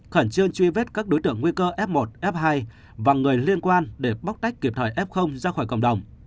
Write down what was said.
khẩn trương truy vết các đối tượng nguy cơ f một f hai và người liên quan để bóc tách kịp thời f ra khỏi cộng đồng